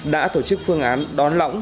đã tổ chức phương án đón lõng